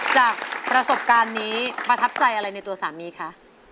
จากประสบการณ์นี้ประทับใจอะไรในตัวสามีคะ